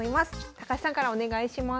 高橋さんからお願いします。